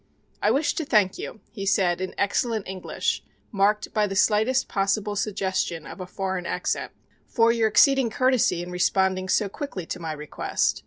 "I wish to thank you," he said in excellent English marked by the slightest possible suggestion of a foreign accent, "for your exceeding courtesy in responding so quickly to my request.